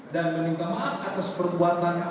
dan meninggalkan atas perbuatan